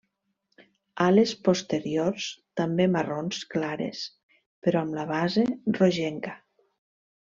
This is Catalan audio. Ales posteriors també marrons clares però amb la base rogenca.